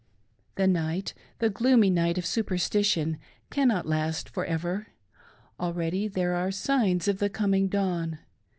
The night — the gloomy night of stiperstition — cannot last for ever. Already there are signs of the coming dawn.